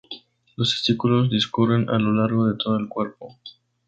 Los testículos discurren a lo largo de todo el cuerpo.